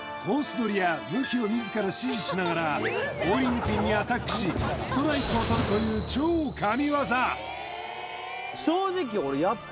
取りや向きを自ら指示しながらボウリングピンにアタックしストライクを取るという超神業